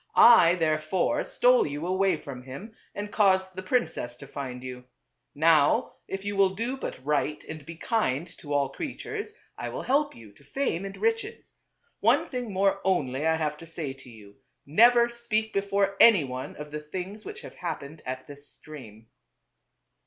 I therefore stole you away from him and caused the princess to find you. Now, if you will do but right and be kind to all creatures, I will help you to fame and riches. One thing more only, I have to say to you — never speak before any one of the things which have happened at this stream."